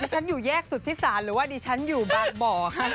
ฉันอยู่แยกสุธิศาลหรือว่าดิฉันอยู่บางบ่อค่ะ